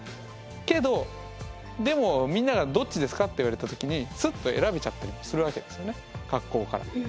けどでもみんながどっちですかって言われた時にすっと選べちゃったりもするわけですよね格好から。